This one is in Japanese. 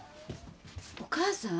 お母さん？